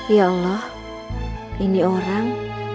ya allah ini orang